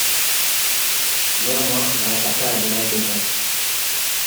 Néanmoins, il remporta la médaille de bronze.